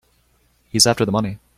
He's after the money.